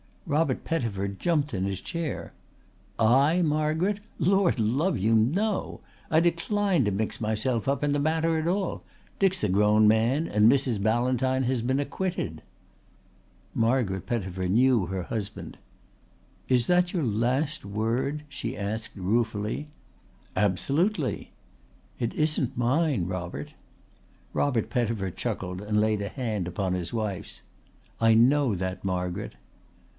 Robert Pettifer jumped in his chair. "I, Margaret! Lord love you, no! I decline to mix myself up in the matter at all. Dick's a grown man and Mrs. Ballantyne has been acquitted." Margaret Pettifer knew her husband. "Is that your last word?" she asked ruefully. "Absolutely." "It isn't mine, Robert." Robert Pettifer chuckled and laid a hand upon his wife's. "I know that, Margaret."